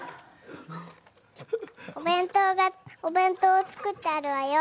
お弁当がお弁当作ってあるわよ。